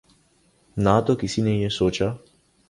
نہ تو کسی نے یہ سوچا